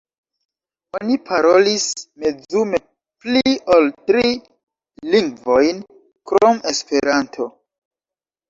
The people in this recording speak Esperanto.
Oni parolis mezume pli ol tri lingvojn krom Esperanto.